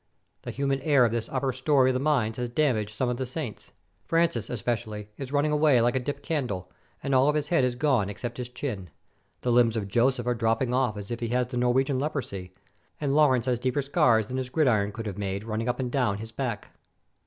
The humid air of this upper story of the mines has dam aged some of the saints: Francis, especially, is running away like a dip candle, and all of his head is gone except his chin. The limbs of Joseph are dropping off as if he had the Norwegian leprosy, and Lawrence has deeper scars than his gridiron could have made, running up and down his back.